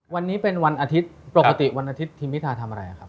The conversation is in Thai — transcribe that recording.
วันนี้เป็นวันอาทิตย์ปกติวันอาทิตย์ทีมพิธาทำอะไรครับ